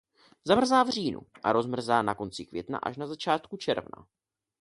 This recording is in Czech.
Zamrzá v říjnu a rozmrzá na konci května až na začátku června.